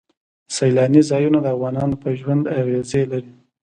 سیلاني ځایونه د افغانانو په ژوند اغېزې لري.